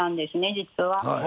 実は。